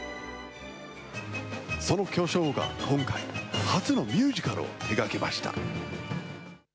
その巨匠が今回、初のミュージカルを手がけました。